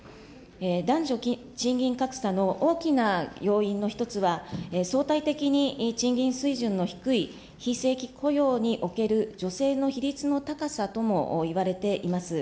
男女賃金格差の大きな要因の一つは、相対的に賃金水準の低い非正規雇用における女性の比率の高さともいわれています。